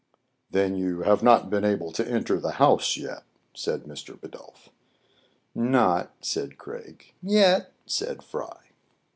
" Then you have not been able to enter the house yet," said Mr. Bidulph. " Not "— said Craig. "Yet," said Fry.